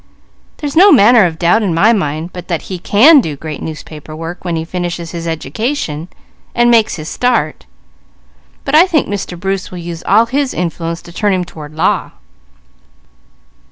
"There's no manner of doubt in my mind but that he can do great newspaper work when he finishes his education and makes his start; but I think Mr. Bruce will use all his influence to turn him toward law."